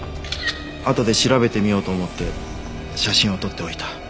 あとで調べてみようと思って写真を撮っておいた。